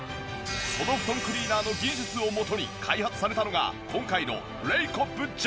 その布団クリーナーの技術をもとに開発されたのが今回のレイコップジェネシス。